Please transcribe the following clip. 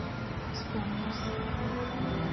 Skumis.